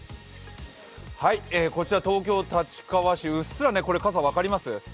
こちら東京・立川市うっすら、傘、分かります？